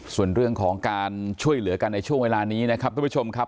ส่วนเรื่องของการช่วยเหลือกันในช่วงเวลานี้นะครับทุกผู้ชมครับ